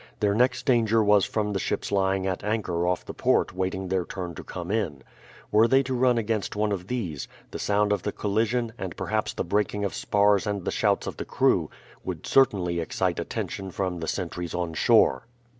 Their next danger was from the ships lying at anchor off the port waiting their turn to come in. Were they to run against one of these, the sound of the collision, and perhaps the breaking of spars and the shouts of the crew, would certainly excite attention from the sentries on shore.